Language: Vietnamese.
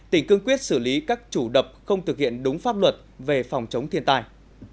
tỉnh cương quyết xử lý các chủ đập không thực hiện đúng pháp luật về phòng chống thiên tai